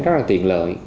rất là tiện lợi